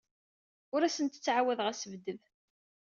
Ur asent-ttɛawadeɣ assebded.